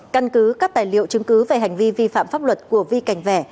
căn cứ các tài liệu chứng cứ về hành vi vi phạm pháp luật của vi cảnh vẻ